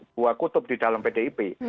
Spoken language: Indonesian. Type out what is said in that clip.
dua kutub di dalam pdip